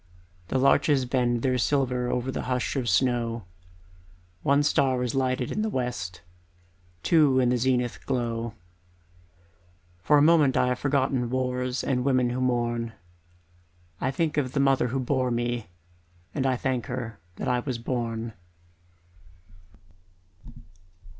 The larches bend their silver Over the hush of snow; One star is lighted in the west, Two in the zenith glow. For a moment I have forgotten Wars and women who mourn I think of the mother who bore me And thank her that I was born.